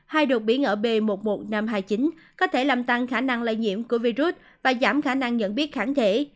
hai đột biến ở b một mươi một nghìn năm trăm hai mươi chín có thể làm tăng khả năng lây nhiễm của virus và giảm khả năng nhận biết kháng thể